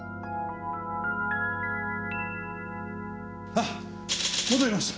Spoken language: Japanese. あ戻りました。